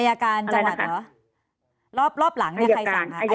อัยการจังหวัดเหรออะไรนะคะรอบรอบหลังเนี้ยใครสั่งค่ะ